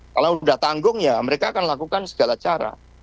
kalau sudah tanggung ya mereka akan lakukan segala cara